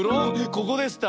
ここでした。